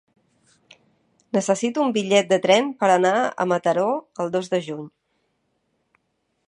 Necessito un bitllet de tren per anar a Mataró el dos de juny.